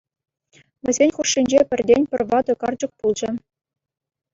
Вӗсен хушшинче пӗртен-пӗр ватӑ карчӑк пулчӗ.